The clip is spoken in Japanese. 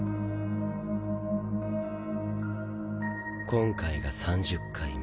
今回が３０回目。